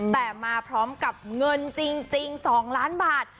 แต่มาพร้อมกับเงินจริง๒ล้านบาท